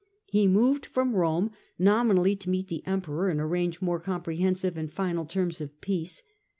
He moved from Rome, nominally to meet the Emperor and arrange more comprehensive and final terms of peace.